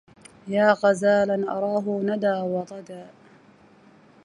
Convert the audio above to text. ياغزالا أراه ندا وضدا